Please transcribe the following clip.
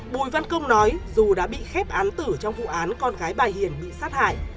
bùi văn công nói dù đã bị khép án tử trong vụ án con gái bà hiền bị sát hại